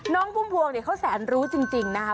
น้องพุ่มพวงเขาแสนรู้จริงนะครับ